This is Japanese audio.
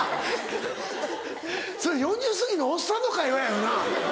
それ４０すぎのおっさんの会話やよな。